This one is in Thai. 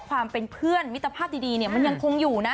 ความเป็นเพื่อนมิตรภาพดียังคงอยู่